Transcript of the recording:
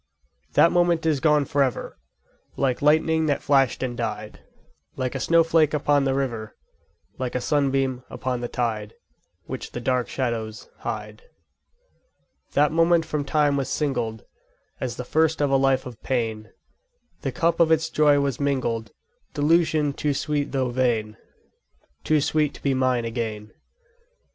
_5 2. That moment is gone for ever, Like lightning that flashed and died Like a snowflake upon the river Like a sunbeam upon the tide, Which the dark shadows hide. _10 3. That moment from time was singled As the first of a life of pain; The cup of its joy was mingled Delusion too sweet though vain! Too sweet to be mine again.